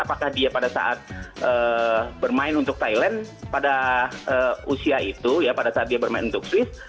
apakah dia pada saat bermain untuk thailand pada usia itu ya pada saat dia bermain untuk swiss